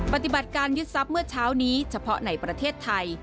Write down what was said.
ปฏิบัติการยึดทรัพย์เมื่อเช้านี้เฉพาะในประเทศไทย